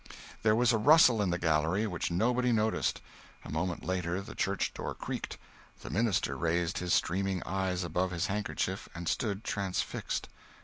There was a rustle in the gallery, which nobody noticed; a moment later the church door creaked; the minister raised his streaming eyes above his handkerchief, and stood transfixed!